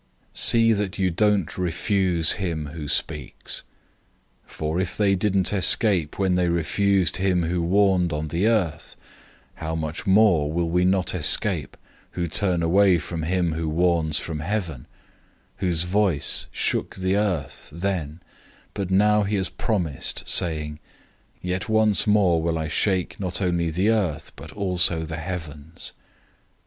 012:025 See that you don't refuse him who speaks. For if they didn't escape when they refused him who warned on the Earth, how much more will we not escape who turn away from him who warns from heaven, 012:026 whose voice shook the earth then, but now he has promised, saying, "Yet once more I will shake not only the earth, but also the heavens."